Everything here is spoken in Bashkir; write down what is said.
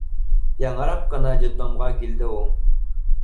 Яңыраҡ ҡына детдомға килде ул.